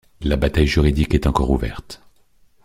La bataille juridique est encore ouverte.